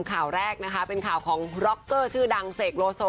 ข่าวแรกนะคะเป็นข่าวของร็อกเกอร์ชื่อดังเสกโลโซ